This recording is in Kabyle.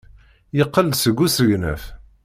Yeqqel-d seg usegnaf.